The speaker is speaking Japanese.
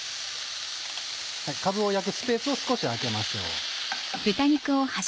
かぶを焼くスペースを少し空けましょう。